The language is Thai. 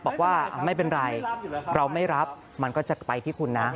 บอกว่าไม่เป็นไรเราไม่รับมันก็จะไปที่คุณนะ